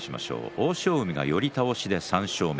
欧勝海が寄り倒しで３勝目。